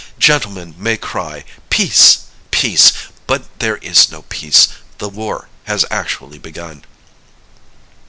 Gentlemen may cry, Peace! peace, but there is no peace. The war has actually begun.